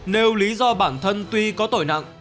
nêu lý do bản thân tuy có tội nặng